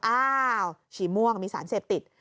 อ้าวฉี่ม่วงมีสารเสพติด